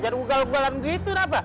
jangan gugal gugalan gitu rafa